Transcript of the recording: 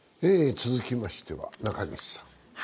続きましては中西さん。